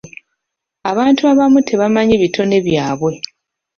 Abantu abamu tebamanyi bitone byabwe.